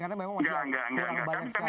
karena memang masih banyak sekali